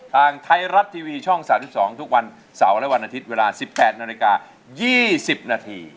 ทางไทยรับทีวีช่องสามสิบสองทุกวันเสาระวันอาทิตย์เวลาสิบแปดนาฬิกายี่สิบนาที